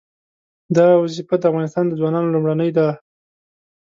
دا وظیفه د افغانستان د ځوانانو لومړنۍ ده.